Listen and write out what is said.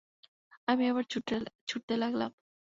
আমি আবার ছুটতে লাগলাম।